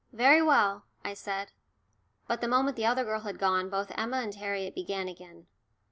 "Very well," I said. But the moment the other girl had gone both Emma and Harriet began again.